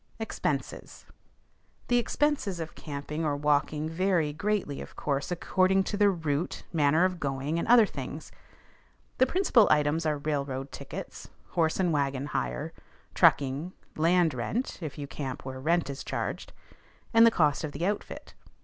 EXPENSES. The expenses of camping or walking vary greatly, of course, according to the route, manner of going, and other things. The principal items are railroad tickets, horse and wagon hire, trucking, land rent (if you camp where rent is charged), and the cost of the outfit.